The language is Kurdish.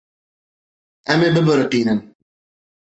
Em ê bibiriqînin.